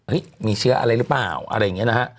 มีเชื้ออะไรหรือเปล่าอะไรอย่างนี้นะฮะ